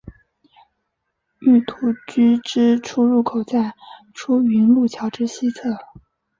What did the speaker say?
御土居之出入口在出云路桥之西侧。